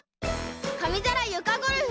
かみざらゆかゴルフ！